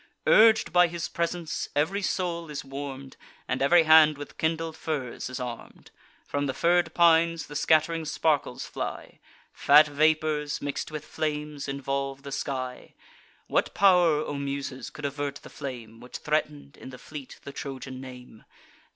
Urg'd by his presence, ev'ry soul is warm'd, And ev'ry hand with kindled fires is arm'd. From the fir'd pines the scatt'ring sparkles fly; Fat vapours, mix'd with flames, involve the sky. What pow'r, O Muses, could avert the flame Which threaten'd, in the fleet, the Trojan name?